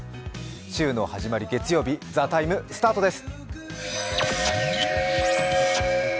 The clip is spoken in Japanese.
週の始まり、月曜日、「ＴＨＥＴＩＭＥ，」スタートです。